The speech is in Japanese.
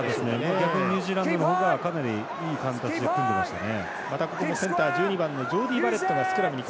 逆にニュージーランドの方がかなりいい形で組んでましたね。